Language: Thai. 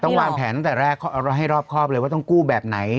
วางแผนตั้งแต่แรกให้รอบครอบเลยว่าต้องกู้แบบไหน